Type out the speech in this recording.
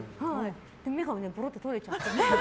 目がぽろっと取れちゃって。